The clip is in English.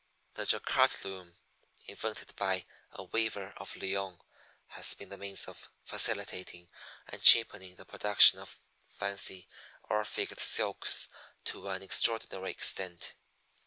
The Jacquard loom, invented by a weaver of Lyons, has been the means of facilitating and cheapening the production of fancy or figured silks to an extraordinary extent.